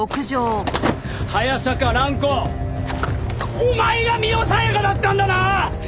早坂蘭子お前が深世小夜香だったんだな！